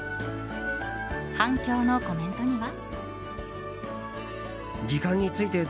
反響のコメントには。